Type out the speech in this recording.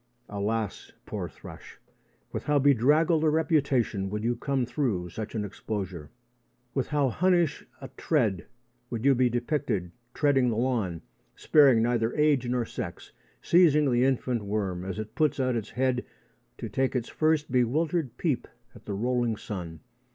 Alas, poor thrush, with how bedraggled a reputation you would come through such an exposure! With how Hunnish a tread you would be depicted treading the lawn, sparing neither age nor sex, seizing the infant worm as it puts out its head to take its first bewildered peep at the rolling sun!